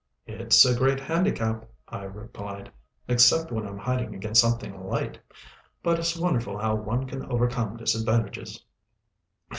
"It's a great handicap," I replied, "except when I'm hiding against something light. But it's wonderful how one can overcome disadvantages."